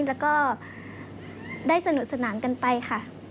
แล้วก็ได้สนุกสนานกันไปค่ะ